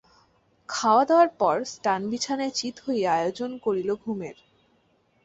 খাওয়াদাওয়ার পর সটান বিছানায় চিত হইয়া আয়োজন করিল ঘুমের।